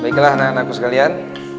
baiklah anak anakku sekalian